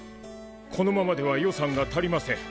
このままでは予算が足りません。